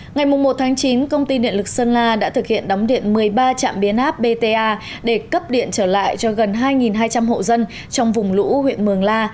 ngày một chín công ty điện lực sơn la đã thực hiện đóng điện một mươi ba trạm biến áp bta để cấp điện trở lại cho gần hai hai trăm linh hộ dân trong vùng lũ huyện mường la